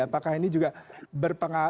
apakah ini juga berpengaruh